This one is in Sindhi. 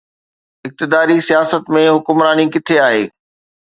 اقتداري سياست ۾ حڪمراني ڪٿي آهي؟